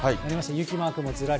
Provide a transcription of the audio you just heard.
雪マークもずらり。